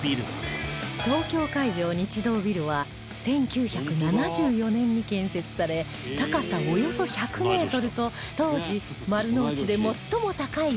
東京海上日動ビルは１９７４年に建設され高さおよそ１００メートルと当時丸の内で最も高いビルでした